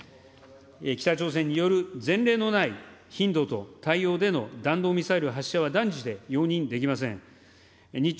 北朝鮮による、前例のない頻度と対応での弾道ミサイル発射は、断じて容認できません。